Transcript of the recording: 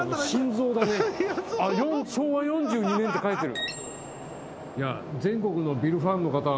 「昭和４２年」って書いてる。